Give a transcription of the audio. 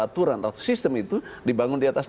aturan atau sistem itu dibangun di atas